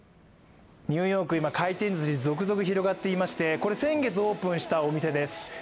ニューヨーク、今回転ずし続々広がっていてこれ今月オープンしたところです。